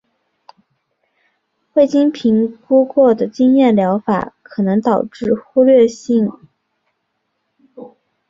未经评估过的经验疗法可能导致忽略恶性肿瘤。